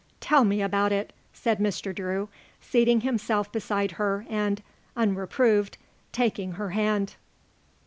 "Tell me about it," said Mr. Drew, seating himself beside her and, unreproved, taking her hand.